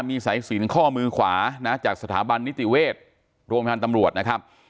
มีสายสินข้อมือขวานะจากสถาบันนิติเวชโรงพยาบาลตำรวจนะครับ